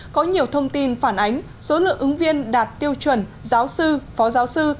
có nhiều thông tin phản ánh số lượng ứng viên đạt tiêu chuẩn giáo sư phó giáo sư